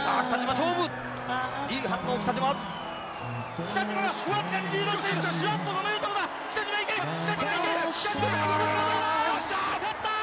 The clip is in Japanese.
勝ったー！